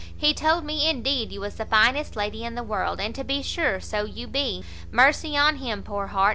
He told me indeed you was the finest lady in the world, and to be sure so you be. Mercy on him, poor heart!